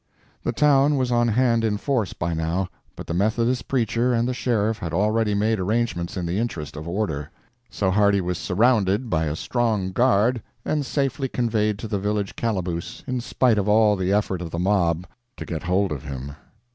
The town was on hand in force by now, but the Methodist preacher and the sheriff had already made arrangements in the interest of order; so Hardy was surrounded by a strong guard and safely conveyed to the village calaboose in spite of all the effort of the mob to get hold of him.